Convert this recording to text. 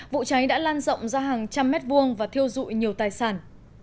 vụ cháy đã lan rộng ra hàng trăm mét vuông và thiêu dụi nhiều tài sản